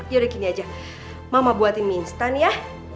ya udah gini aja mama buatin mie instan ya